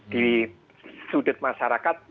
di sudut masyarakat